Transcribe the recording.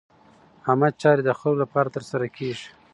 عامه چارې د خلکو لپاره ترسره کېږي.